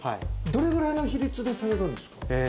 どれぐらいの比率でされるんですか？